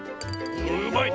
うまいね。